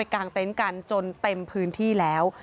กลางเต้นกันจนเต็มพื้นที่แล้ว